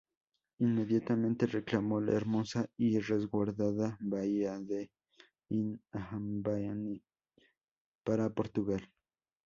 Inmediatamente reclamó la hermosa y resguardada Bahía de Inhambane para Portugal.